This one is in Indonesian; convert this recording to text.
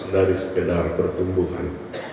dari sekedar pertumbuhan